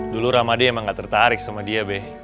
dulu ramadhan emang gak tertarik sama dia deh